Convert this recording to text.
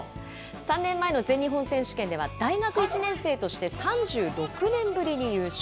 ３年前の全日本選手権では、大学１年生として３６年ぶりに優勝。